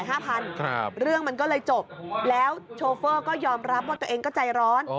เรื่องมันก็เลยจบแล้วโชเฟอร์ก็ยอมรับว่าตัวเองก็ใจร้อน